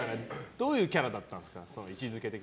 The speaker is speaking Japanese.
どういうキャラだったんですか。